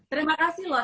terima kasih loh